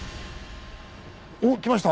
おっ来ました。